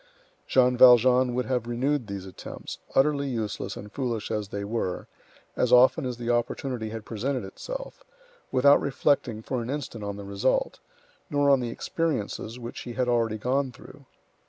Jean Valjean would have renewed these attempts, utterly useless and foolish as they were, as often as the opportunity had presented itself, without reflecting for an instant on the result, nor on the experiences which he had already gone through.